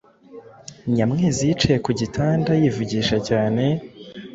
Nyamwezi yicaye ku gitanda yivugisha cyane,